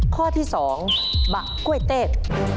ข้อที่๒บะกล้วยเต้